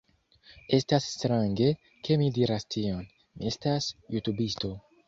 Estas strange, ke mi diras tion, mi estas jutubisto